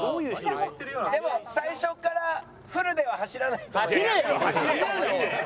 でも最初からフルでは走らないと。